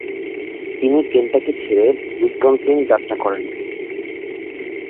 তিনি কেন্টাকি ছেড়ে উইসকনসিন যাত্র করেন।